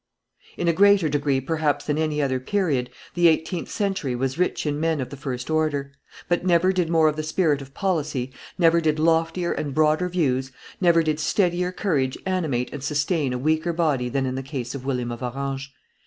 In a greater degree perhaps than any other period, the eighteenth century was rich in men of the first order. But never did more of the spirit of policy, never did loftier and broader views, never did steadier courage animate and sustain a weaker body than in the case of William of Orange.